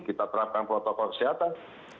kita terapkan protokol kesehatan